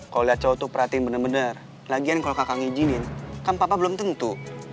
kalau cowok perhatiin benar benar lagi engkau ngijinin tanpa belum tentu